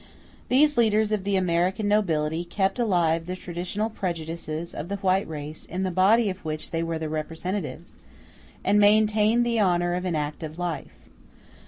These leaders of the American nobility kept alive the traditional prejudices of the white race in the body of which they were the representatives, and maintained the honor of inactive life.